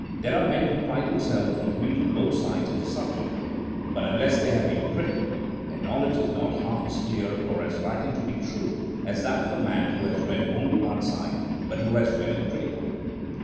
There are men who pride themselves on reading both sides of a sub ject; but unless they have been critical, their knowledge is not half as clear or as likely to be true as that of a man who has read only one side, but who has read it critically.